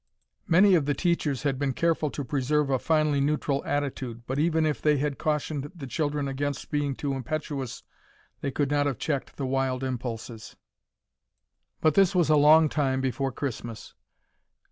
Many of the teachers had been careful to preserve a finely neutral attitude, but even if they had cautioned the children against being too impetuous they could not have checked the wild impulses. But this was a long time before Christmas.